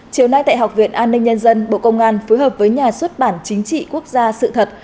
chiều nay tại học viện an ninh nhân dân bộ công an phối hợp với nhà xuất bản chính trị quốc gia sự thật